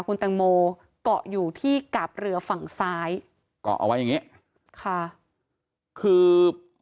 คุณแตงโมเกาะอยู่ที่กาบเรือฝั่งซ้ายเกาะเอาไว้อย่างงี้ค่ะคือ